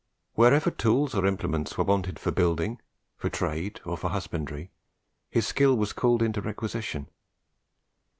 Wherever tools or implements were wanted for building, for trade, or for husbandry, his skill was called into requisition.